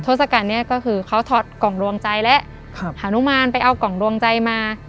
ศกัณฐ์นี้ก็คือเขาถอดกล่องดวงใจแล้วฮานุมานไปเอากล่องดวงใจมา